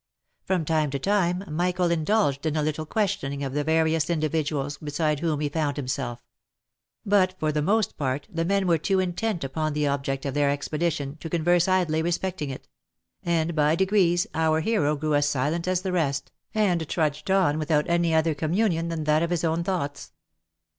From time to time Michael indulged in a little questioning of the various individuals beside whom he found himself ; but for the most part the men were too intent upon the ob ject of their expedition, to converse idly respecting it — and by degrees our hero grew as silent as the rest, and trudged on without any other communion than that of his own thoughts.